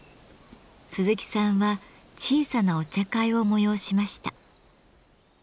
鈴木さんは小さなお茶会を催しました。